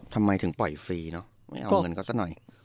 ทำไมถึงปล่อยฟรีเนอะไม่เอาเงินเขาซะหน่อย